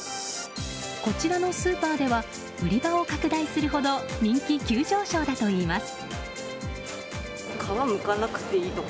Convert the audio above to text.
こちらのスーパーでは売り場を拡大するほど人気急上昇だといいます。